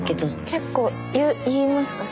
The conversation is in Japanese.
結構言いますか？